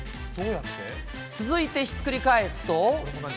続いてひっくり返すと。